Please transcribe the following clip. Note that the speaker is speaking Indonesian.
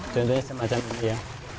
contohnya semacam ini ya